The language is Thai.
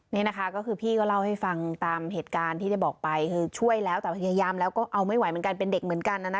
นี่นะคะก็คือพี่ก็เล่าให้ฟังตามเหตุการณ์ที่ได้บอกไปคือช่วยแล้วแต่พยายามแล้วก็เอาไม่ไหวเหมือนกันเป็นเด็กเหมือนกันนะนะ